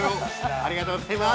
ありがとうございます！